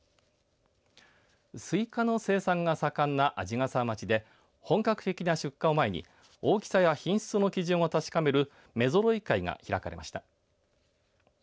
スイカの生産が盛んな鯵ヶ沢町で本格的な出荷を前に大きさや品質の基準を確かめる目ぞろい会が開かれました。